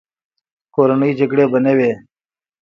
کورنۍ جګړې به نه وې.